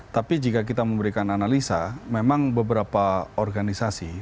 tapi jika kita memberikan analisa memang beberapa organisasi